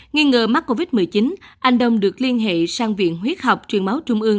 nghi ngờ mắc covid một mươi chín anh đông được liên hệ sang viện huyết học truyền máu trung ương